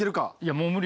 もう無理よ。